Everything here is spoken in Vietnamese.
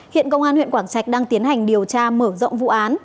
hiện công an huyện quảng trạch đang tiến hành điều tra mở rộng vụ án